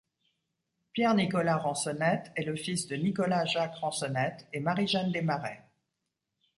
Pierre Nicolas Ransonnette est le fils de Nicolas Jacques Ransonnette et Marie-Jeanne Desmarais.